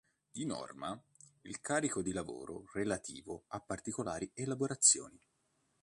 Di norma, il carico di lavoro relativo a particolari elaborazioni.